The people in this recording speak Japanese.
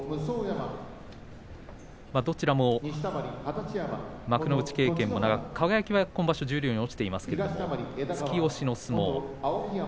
どちらも幕内経験が長く輝は今場所十両に落ちていますけれども突き押しの相撲。